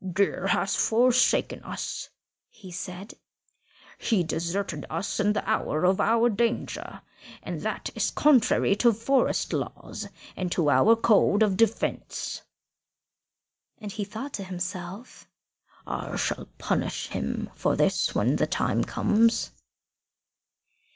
"Deer has forsaken us," he said; "he deserted us in the hour of our danger, and that is contrary to forest laws and to our code of defence." And he thought to himself, "I shall punish him for this when the time comes."